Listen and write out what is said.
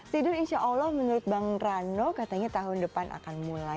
tidur insya allah menurut bang rano katanya tahun depan akan mulai